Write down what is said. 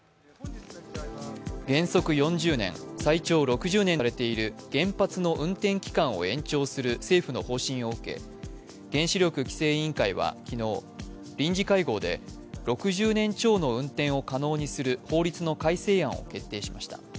原則４０年、最長６０年とされている原発の運転期間を延長する政府の方針を受け原子力規制委員会は昨日、臨時会合で６０年超の運転を可能にする法律の改正案を決定しました。